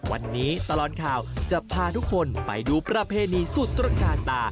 วันนี้ตลอดข่าวจะพาทุกคนไปดูประเพณีสุดตระกาลตา